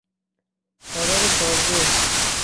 خبر تازه